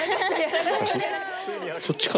そっちか。